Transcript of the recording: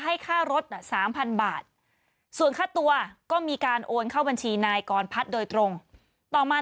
ให้ค่ารถ๓๐๐บาทส่วนค่าตัวก็มีการโอนเข้าบัญชีนายกรพัฒน์โดยตรงต่อมา